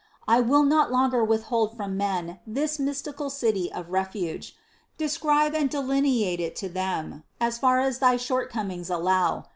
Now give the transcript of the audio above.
I will not longer withhold from men this mystical City of refuge; de scribe and delineate it to them, as far as thy shortcom ings allow.